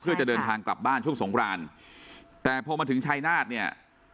เพื่อจะเดินทางกลับบ้านช่วงสงครานแต่พอมาถึงชายนาฏเนี่ย